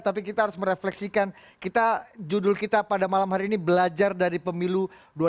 tapi kita harus merefleksikan judul kita pada malam hari ini belajar dari pemilu dua ribu sembilan belas